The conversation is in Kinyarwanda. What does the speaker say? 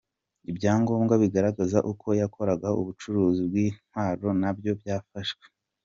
Ibyangombwa bigaragaza uko yakoraga ubu bucuruzi bw’intwaro na byo byafashwe .